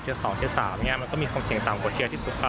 เทียร์๒เทียร์๓มันก็มีความเสี่ยงต่ำกว่าเทียร์ที่สูง